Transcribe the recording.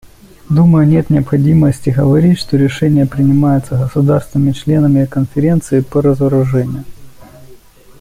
Думаю, нет необходимости говорить, что решения принимаются государствами-членами Конференции по разоружению.